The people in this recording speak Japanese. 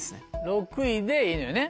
６位でいいのよね